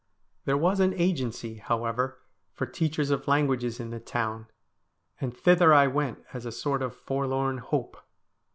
There was an agency, however, for teachers of languages in the town, and thither I went as a sort of forlorn hope.